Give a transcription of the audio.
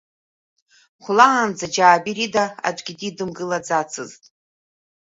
Хәлаанӡа Џьаабир ида аӡәгьы дидымгылаӡацызт.